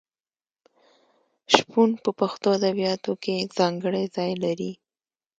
شپون په پښتو ادبیاتو کې ځانګړی ځای لري.